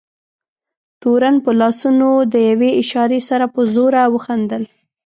تورن په لاسونو د یوې اشارې سره په زوره وخندل.